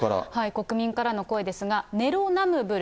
国民からの声ですが、ネロナムブル。